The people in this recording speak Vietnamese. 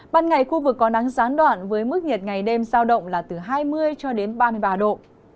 ban ngày khu vực có nắng gián đoạn với mức nhiệt ngày đêm giao động là từ hai mươi cho đến ba mươi ba độ